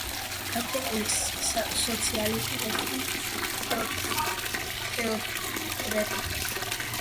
აფრიკული სოციალიზმის ერთ-ერთი თეორეტიკოსი.